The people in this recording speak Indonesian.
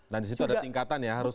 nah disitu ada tingkatan ya